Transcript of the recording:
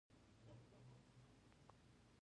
خو د لوی افغانستان تن دې یو تن شي.